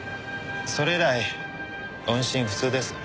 それ以来音信不通です。